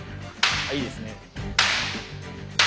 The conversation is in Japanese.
あっいいですね。